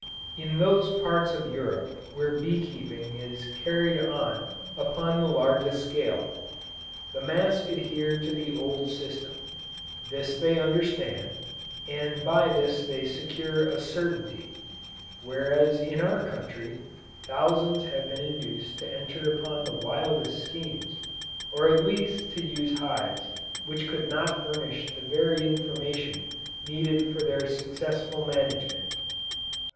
In those parts of Europe where bee keeping is carried on upon the largest scale, the mass adhere to the old system; this they understand, and by this they secure a certainty, whereas in our country, thousands have been induced to enter upon the wildest schemes, or at least to use hives which could not furnish them the very information needed for their successful management.